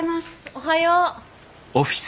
おはよう。